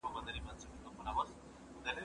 چوروندک سو، پاچهي سوه، فرمانونه